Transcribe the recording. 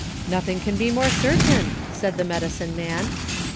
'— 'Nothing can bo more certain,' said the ine«)ioino>man.